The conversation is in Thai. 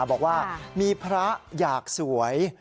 บอกว่ามีพระอยากสวย